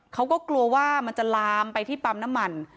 เขาก็กลัวว่ามันจะลามไปที่ปั๊มน้ำมัน